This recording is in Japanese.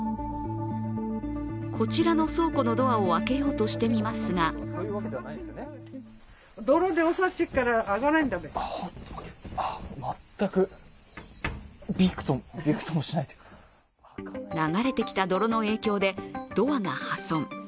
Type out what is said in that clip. こちらの倉庫のドアを開けようとしてみますが流れてきた泥の影響でドアが破損。